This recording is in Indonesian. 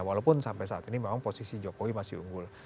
walaupun sampai saat ini memang posisi jokowi masih unggul